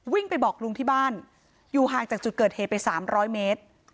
วิ่งไปบอกลุงที่บ้านอยู่ห่างจากจุดเกิดเหตุไป๓๐๐เมตร